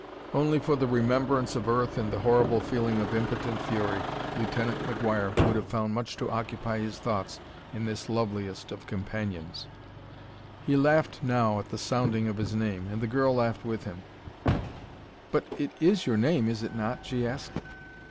Only for the remembrance of Earth and the horrible feeling of impotent fury, Lieutenant McGuire would have found much to occupy his thoughts in this loveliest of companions. He laughed now at the sounding of his name, and the girl laughed with him. "But it is your name, is it not?" she asked.